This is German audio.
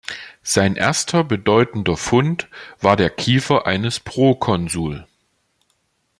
Sein erster bedeutender Fund war der Kiefer eines Proconsul.